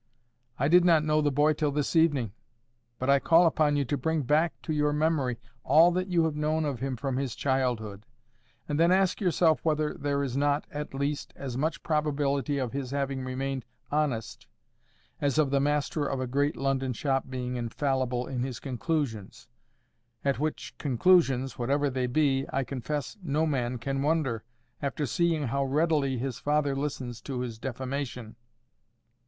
I did not know the boy till this evening; but I call upon you to bring back to your memory all that you have known of him from his childhood, and then ask yourself whether there is not, at least, as much probability of his having remained honest as of the master of a great London shop being infallible in his conclusions—at which conclusions, whatever they be, I confess no man can wonder, after seeing how readily his father listens to his defamation."